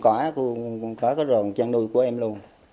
có cái rồn trang nuôi của em luôn